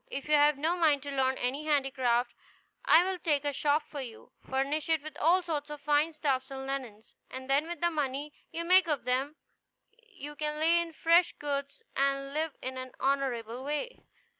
If you have no mind to learn any handicraft, I will take a shop for you, furnish it with all sorts of fine stuffs and linens, and then with the money you make of them you can lay in fresh goods, and live in an honorable way.